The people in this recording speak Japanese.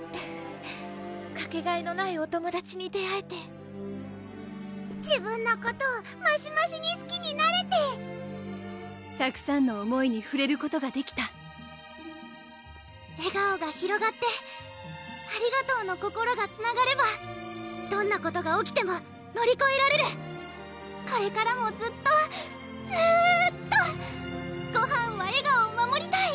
かけがえのないお友達に出会えて自分のことをマシマシにすきになれてたくさんの思いにふれることができた笑顔が広がってありがとうの心がつながればどんなことが起きても乗りこえられるこれからもずっとずーっとごはんは笑顔を守りたい！